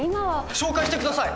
紹介してください！